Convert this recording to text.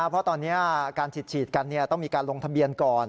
เพราะตอนนี้การฉีดกันต้องมีการลงทะเบียนก่อน